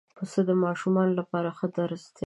پسه د ماشومانو لپاره ښه درس دی.